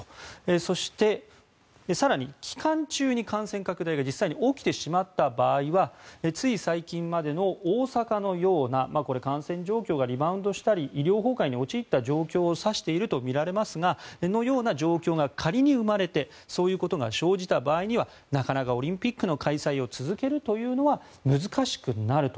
そして、期間中に感染拡大が実際に起きてしまった場合はつい最近までの大阪のような感染状況がリバウンドしたり医療崩壊に陥った状況を指しているとみられますがそのような状況が仮に生まれてそのようなことが生じた場合にはなかなかオリンピックの開催を続けるというのは難しくなる。